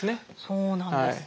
そうなんです。